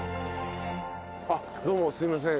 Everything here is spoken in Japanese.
あっどうもすいません。